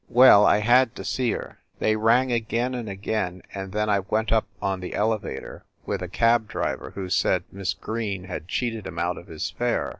Well, I had to see her. They rang again and again, and then I went up on the elevator with a cab driver who said Miss Green had cheated him out of his fare.